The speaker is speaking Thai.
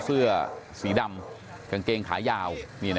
เสื้อสีดำกางเกงขายาว